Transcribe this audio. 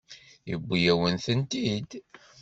Yewwi-yawen-tent-id.